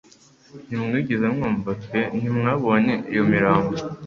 Ntimwigeze mwumva pe ntimwabonye iyo mirambo